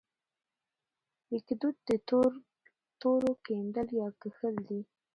لیکدود د تورو کیندل یا کښل دي.